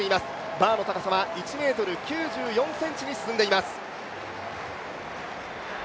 バーの高さは１ｍ９４ｃｍに進んでいます。